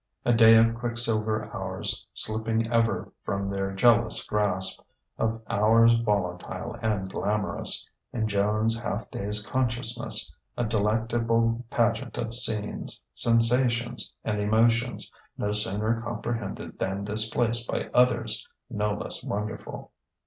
A day of quicksilver hours slipping ever from their jealous grasp; of hours volatile and glamorous: in Joan's half dazed consciousness, a delectable pageant of scenes, sensations and emotions no sooner comprehended than displaced by others no less wonderful....